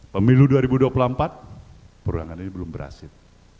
pemilu dua ribu dua puluh empat perulangan ini belum berhasil